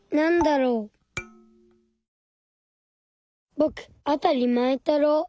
ぼくあたりまえたろう。